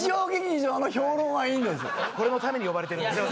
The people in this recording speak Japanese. これのために呼ばれてるんで。